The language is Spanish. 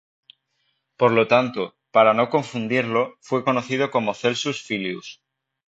Por lo tanto, para no confundirlo, fue conocido como Celsus Filius.